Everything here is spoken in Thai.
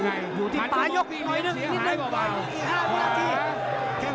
เหมือนไม่มั่นใจเลยต่อเอง